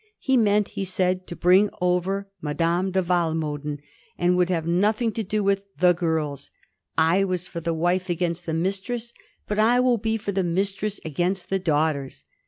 He meant, he said, to bring over Ma dame de Walmoden, and would have nothing to do with " the girls." " I was for the wife against the mistress, but I will be for the mistress against the daughters."